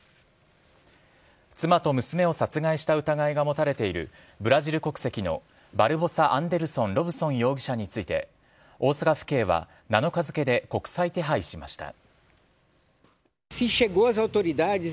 妻と娘を殺害した疑いが持たれているブラジル国籍のバルボサ・アンデルソン・ロブソン容疑者について大阪府警は７日付で国際手配しました。